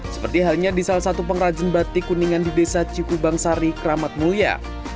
seperti halnya di salah satu pengrajin batik kuningan di desa cikubangsari kramat mulia